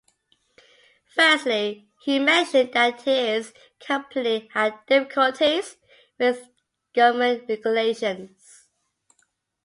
Firstly, he mentioned that his company had difficulties with government regulations.